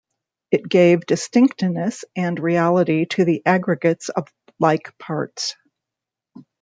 It gave distinctness and reality to the aggregates of like parts.